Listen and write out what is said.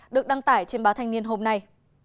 được đăng tải trên báo thanh niên hôm nay